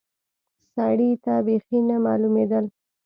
سړي ته بيخي نه معلومېدل.